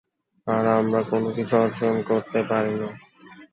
আর আমরা কোনোকিছু অর্জন করতে পারিনি।